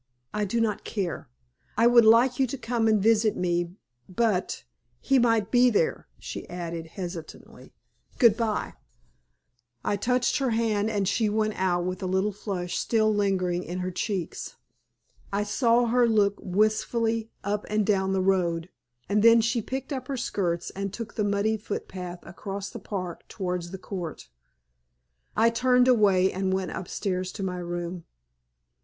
I do not care. I would like you to come and visit me but he might be there," she added, hesitatingly. "Goodbye." I touched her hand, and she went out with a little flush still lingering in her cheeks. I saw her look wistfully up and down the road, and then she picked up her skirts and took the muddy footpath across the park towards the Court. I turned away and went upstairs to my room.